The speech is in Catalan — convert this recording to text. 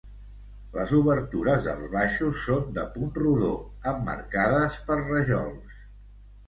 Les obertures dels baixos són de punt rodó, emmarcades per rajols.